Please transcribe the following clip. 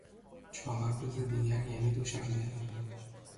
چهار روز دیگر یعنی دوشنبه